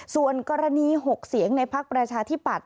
ส่วนกรณี๖เสียงในภักค์ประชาที่ปัด